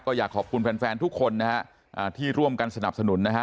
ก็อยากขอบคุณแฟนแฟนทุกคนนะฮะที่ร่วมกันสนับสนุนนะฮะ